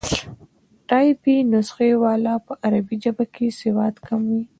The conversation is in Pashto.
ټایپي نسخې والا په عربي ژبه کې سواد کم وو.